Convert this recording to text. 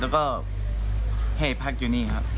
แล้วก็ให้พักอยู่นี่ครับ